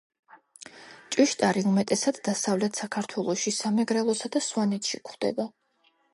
ჭვიშტარი უმეტესად დასავლეთ საქართველოში, სამეგრელოსა და სვანეთში გვხვდება.